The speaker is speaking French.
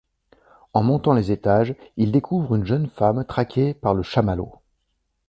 En montant les étages, ils découvrent une jeune femme traquée par le Chamallow.